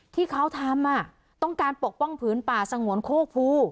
ที่เขาทำต้องการปกป้องผืนป่าสงวนโคกภู